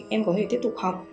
em có thể tiếp tục học